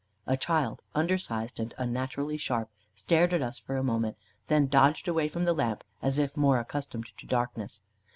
A child, under sized and unnaturally sharp, stared at us for a moment, then dodged away from the lamp, as if more accustomed to darkness.